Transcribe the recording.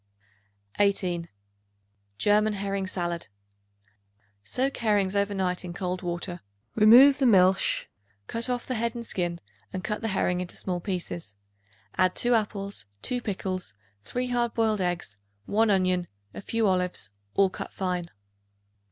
18. German Herring Salad. Soak herrings over night in cold water; remove the milch; cut off the head and skin and cut the herring into small pieces; add 2 apples, 2 pickles, 3 hard boiled eggs, 1 onion, a few olives, all cut fine.